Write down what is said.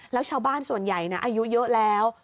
แล้วชาวบ้านส่วนใหญ่นะอายุเยอะแล้ว